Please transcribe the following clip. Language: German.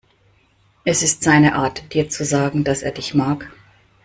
Es ist seine Art, dir zu sagen, dass er dich mag.